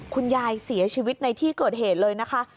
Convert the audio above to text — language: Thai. คุณยายเสียชีวิตในที่เกิดเหตุเลยนะคะ